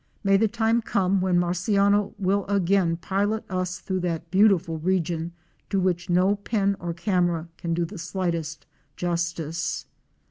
May the time come when Marciano will again pilot us through that beautiful region to which no pen or camera can do the slightest justice!